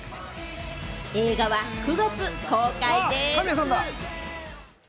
映画は９月公開です。